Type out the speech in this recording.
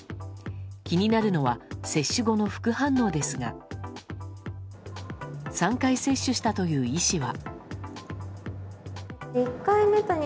気になるのは接種後の副反応ですが３回接種という医師は。